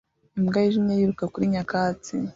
Imbwa yijimye yiruka kuri nyakatsi